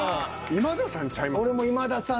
今田さんちゃいます？